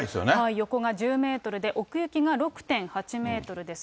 横が１０メートルで、奥行きが６．８メートルです。